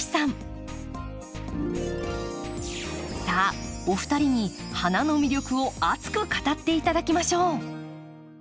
さあお二人に花の魅力を熱く語って頂きましょう。